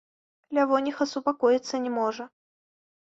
Лявоніха супакоіцца не можа.